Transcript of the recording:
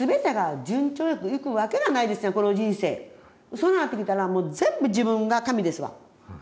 そんなんなってきたらもう全部自分が神ですわ。